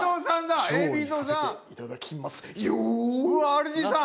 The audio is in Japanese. ＲＧさん！